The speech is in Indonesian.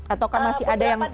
atau kan masih ada yang mandat